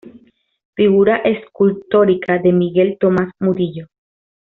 Figura Escultórica de Miguel Tomás Murillo.